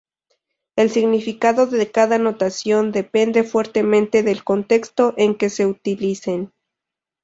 El significado de cada notación depende fuertemente del contexto en que se utilicen.